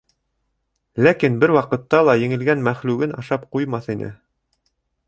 Ләкин бер ваҡытта ла еңелгән мәхлүген ашап ҡуймаҫ ине.